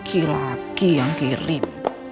kiki lagi yang kirim